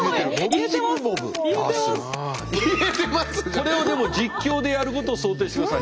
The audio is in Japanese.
これをでも実況でやることを想定してください。